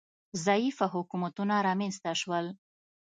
ضعیفه حکومتونه رامنځ ته شول